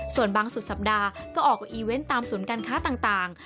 ส่วนบางสุดสัปดาห์ก็ออกอีเวนต์ตามศูนย์การค้าต่าง